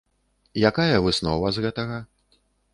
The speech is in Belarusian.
Якая выснова з гэтага?